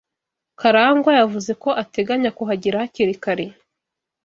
Karangwa yavuze ko ateganya kuhagera hakiri kare.